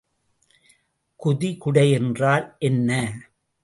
குதிகுடை என்றால் என்ன?